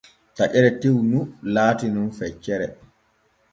Taƴeere tew nu laati nun feccere.